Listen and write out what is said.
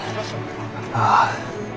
ああ。